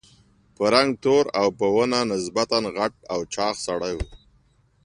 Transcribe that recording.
په رنګ تور او په ونه نسبتاً غټ او چاغ سړی و.